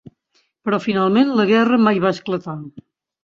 Però finalment la guerra mai va esclatar.